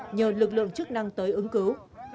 nhờ lực lượng chức năng tới ứng cứu